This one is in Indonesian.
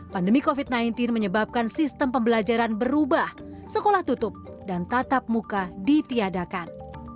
pandemi covid sembilan belas menyebabkan sistem pembelajaran berubah sekolah tutup dan tatap muka ditiadakan